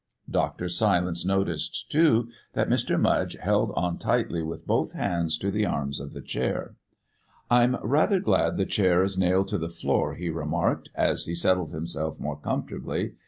Dr. Silence noticed, too, that Mr. Mudge held on tightly with both hands to the arms of the chair. "I'm rather glad the chair is nailed to the floor," he remarked, as he settled himself more comfortably.